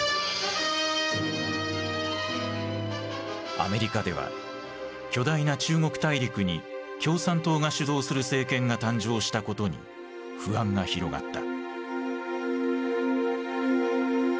アメリカでは巨大な中国大陸に共産党が主導する政権が誕生したことに不安が広がった。